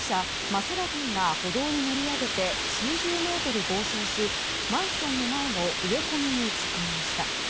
マセラティが歩道に乗り上げて数十メートル暴走しマンションの前の植え込みに突っ込みました。